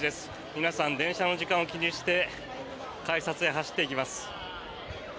皆さん電車の時間を気にして改札へ走っていきます。